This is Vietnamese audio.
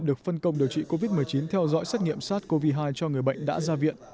được phân công điều trị covid một mươi chín theo dõi xét nghiệm sars cov hai cho người bệnh đã ra viện